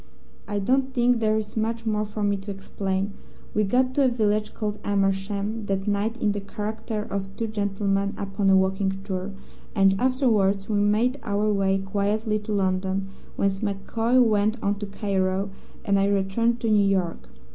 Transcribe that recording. "I don't think there is much more for me to explain. We got to a village called Amersham that night in the character of two gentlemen upon a walking tour, and afterwards we made our way quietly to London, whence MacCoy went on to Cairo and I returned to New York.